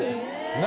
何？